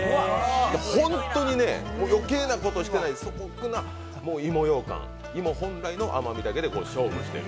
本当にね、余計なことしてない素朴な芋ようかん芋本来の甘みだけで勝負してる。